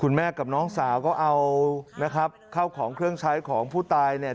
แม่กับน้องสาวก็เอานะครับเข้าของเครื่องใช้ของผู้ตายเนี่ย